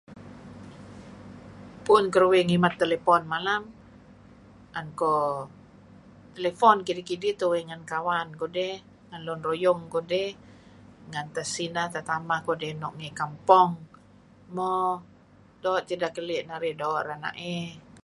Pu'un keruih ngimet telepon malem 'an kuh telepon kidih-kidih tuih ngen kawan kudih, ngen lun ruyung kudih ngen tesineh tetameh kudih nuk ngi kampong , mo doo' tideh keli' narih doo' rena'ey.